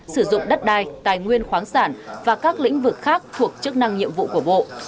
sử dụng đất đai tài nguyên khoáng sản và các lĩnh vực khác thuộc chức năng nhiệm vụ của bộ